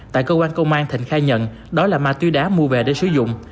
tại cơ quan công an thịnh khai nhận đó là ma túy đá mua về để sử dụng